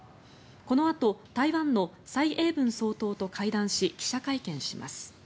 このあと台湾の蔡英文総統と会談し記者会見します。